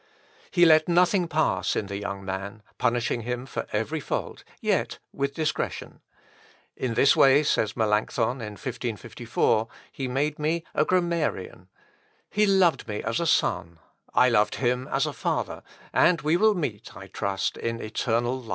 He let nothing pass in the young man, punishing him for every fault, yet with discretion. "In this way," says Melancthon in 1554, "he made me a grammarian. He loved me as a son, I loved him as a father, and we will meet, I trust, in eternal life."